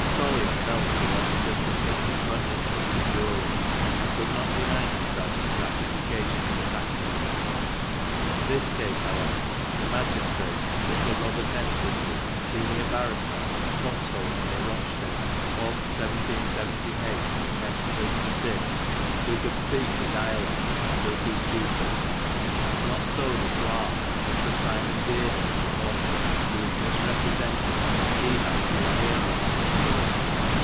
Collier felt towards justices as Bunyan did to juries, and could not deny himself the gratification of attacking them. In this case, how ever, the magistrate, Mr. Robert Entwisle sen. barrister, of Foxholes near Rochdale (ob. 1778 set. 86), who could speak the dialect, does his duty ; not so the clerk, Mr. Simon Dearden of the Orchard, who is misrepresented, he having been really an honest person.